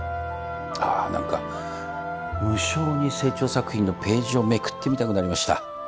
ああなんか無性に清張作品のページをめくってみたくなりました。